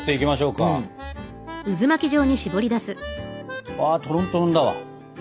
うわトロントロンだわ。